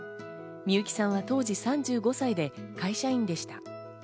美由紀さんは当時３５歳で会社員でした。